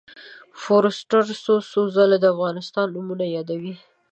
فورسټر څو څو ځله د افغانستان نومونه یادوي.